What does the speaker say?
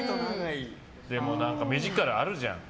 でも目力あるじゃん。